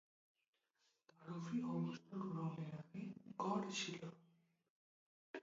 তারুফি অবসর গ্রহণের আগে গড় ছিল।